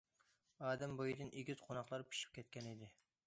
ئادەم بويىدىن ئېگىز قوناقلار پىشىپ كەتكەنىدى.